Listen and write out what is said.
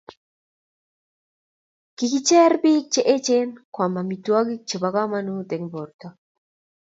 kikicher biik che echen koam amitwogik chebo kamanut eng' borto